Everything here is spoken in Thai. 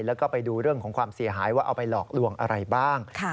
แล้วก็ไปดูเรื่องของความเสียหายว่าเอาไปหลอกลวงอะไรบ้าง